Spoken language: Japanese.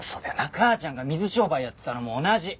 母ちゃんが水商売やってたのも同じ。